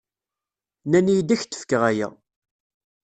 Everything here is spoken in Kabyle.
Nnan-iyi-d ad k-d-fkeɣ aya.